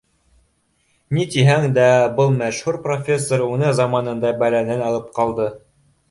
Ни тиһәң дә, был мәшһүр профессор уны заманында бәләнән алып ҡалды